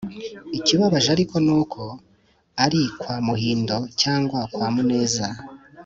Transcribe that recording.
ikibabaje ariko ni uko ari kwa muhindo cyangwa kwa muneza,